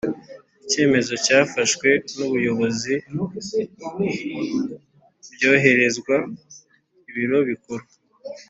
Icyemezo cyafashwe n’ubuyobozi byohererezwa ibiro bikuru